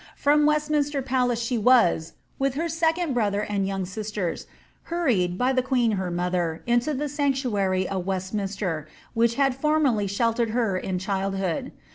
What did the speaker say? From West minster palace she was, with her second brother and young sisters, hur ried, by the queen her mother, into the sanctuary of Westminster, which had formerly sheltered her in childhood.